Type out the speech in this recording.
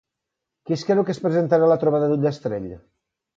Qui es creu que es presentarà a la trobada d'Ullastrell?